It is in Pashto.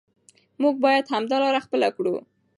موږ باید همدا لاره خپله کړو.